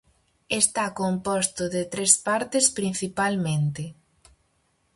Está composto de tres partes principalmente: